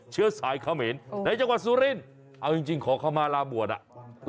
เชื้อสายเขมรในจังหวัดสุรินทร์เอาจริงขอเข้ามาลาบวชอ่ะ